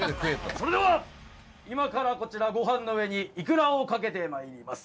それでは今からこちらごはんの上にいくらをかけてまいります。